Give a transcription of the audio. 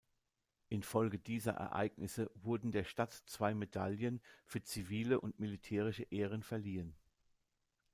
Infolge dieser Ereignisse wurden der Stadt zwei Medaillen für zivile und militärische Ehren verliehen.